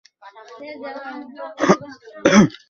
মাঝে-মধ্যেই bowling করে সফলতা পেতেন।